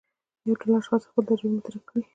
یوه ډله اشخاص خپلې تجربې مطرح کوي.